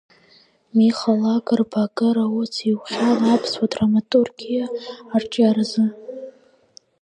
Миха Лакрба акыр аус иухьан аԥсуа драматургиа арҿиаразы.